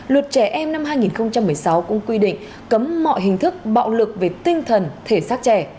luật trẻ em năm hai nghìn một mươi sáu cũng quy định cấm mọi hình thức bạo lực về tinh thần thể xác trẻ